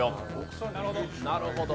なるほど。